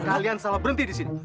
kalian salah berhenti di sini